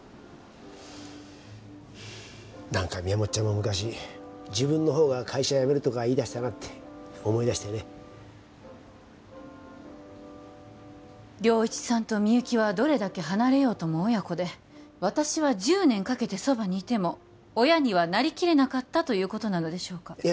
何かみやもっちゃんも昔自分のほうが会社辞めるとか言い出したなって思い出してね良一さんとみゆきはどれだけ離れようとも親子で私は１０年かけてそばにいても親にはなりきれなかったということなのでしょうか